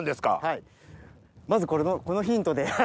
はいまずこのヒントで。